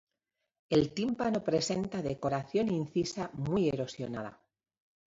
El tímpano presenta decoración incisa muy erosionada.